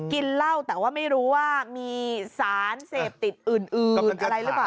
กินเหล้าแต่ว่าไม่รู้ว่ามีสารเสพติดอื่นอะไรหรือเปล่า